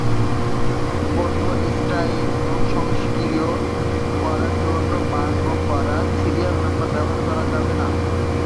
পণ্য ইনস্টল বা সক্রিয় করার জন্য বার্ন করা সিরিয়াল নম্বর ব্যবহার করা যাবে না।